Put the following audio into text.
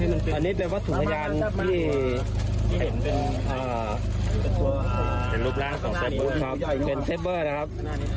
อันนี้เป็นวัดสุขยานที่เห็นเป็นเป็นรูปร้างของเซฟเวอร์นะครับ